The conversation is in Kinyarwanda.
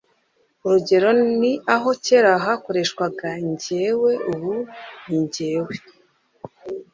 Urugero ni aho kera hakoreshwaga Njyewe ubu ni ngewe